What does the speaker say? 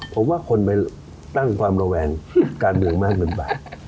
ผมว่าคนไปตั้งความระแวงการเมืองมากเกินไป